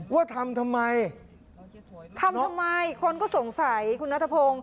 ว่าทำทำไมทำทำไมคนก็สงสัยคุณนัทพงศ์